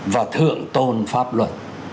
và thượng tôn pháp luật